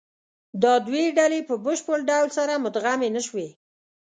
دا دوې ډلې په بشپړ ډول سره مدغمې نهشوې.